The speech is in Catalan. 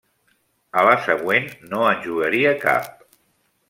A la següent, no en jugaria cap.